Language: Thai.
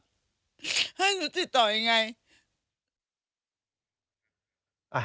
ให้หนูติดต่อยังไง